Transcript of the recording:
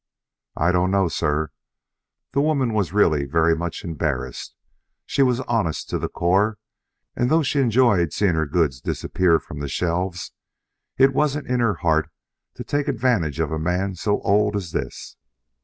"I don't know, sir." The woman was really very much embarrassed. She was honest to the core, and though she enjoyed seeing her goods disappear from the shelves, it wasn't in her heart to take advantage of a man so old as this.